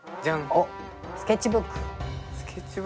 おっスケッチブック。